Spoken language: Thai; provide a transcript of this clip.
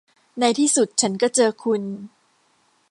ในที่สุดฉันก็เจอคุณ